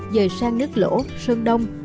dời sang nước lỗ sơn đông